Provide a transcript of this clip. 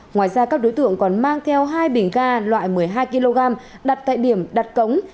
ngoài ra các đối tượng còn mang theo hai bình ga loại một mươi hai kg đặt tại điểm đặt cống